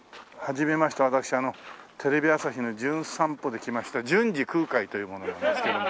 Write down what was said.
私テレビ朝日の『じゅん散歩』で来ました純次空海という者なんですけども。